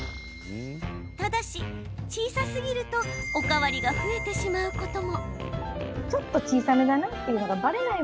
ただし、小さすぎるとお代わりが増えてしまうことも。